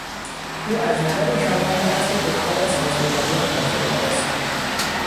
او از نظر زمان نزد دخترش از اولویت برخوردار است.